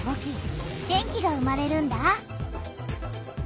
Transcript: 電気が生まれるんだ。